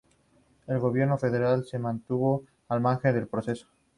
El gobierno federal se mantuvo al margen del proceso.